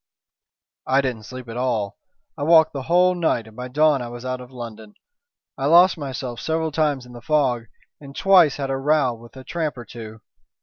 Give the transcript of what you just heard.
"I didn't sleep at all. I walked the whole night, and by dawn I was out of London. I lost myself several times in the fog and twice had a row with a tramp or two.